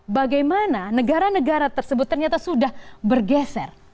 bagaimana negara negara tersebut ternyata sudah bergeser